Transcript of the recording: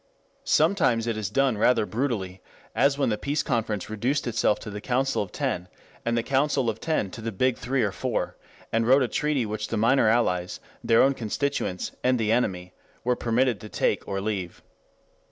Sometimes it is done rather brutally as when the Peace Conference reduced itself to the Council of Ten, and the Council of Ten to the Big Three or Four; and wrote a treaty which the minor allies, their own constituents, and the enemy were permitted to take or leave.